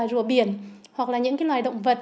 rủa biển hoặc là những loài động vật